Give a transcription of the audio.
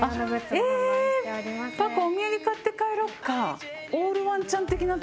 パコお土産買って帰ろうか。